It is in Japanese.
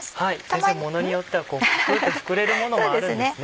先生ものによってはぷくっと膨れるものもあるんですね。